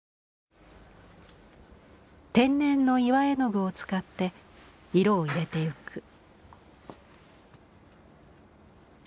天然の岩絵具を使って色を入れていく。